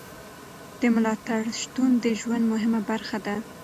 د ملاتړ شتون د ژوند مهمه برخه ده.